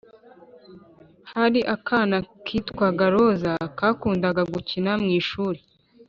Hari akana kitwaga roza kakundaga gukina mwishuri